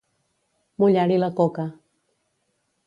Mullar-hi la coca.